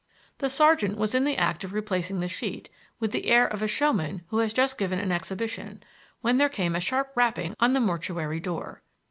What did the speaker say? The sergeant was in the act of replacing the sheet, with the air of a showman who has just given an exhibition, when there came a sharp rapping on the mortuary door.